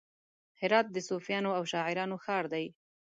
هرات د صوفیانو او شاعرانو ښار دی.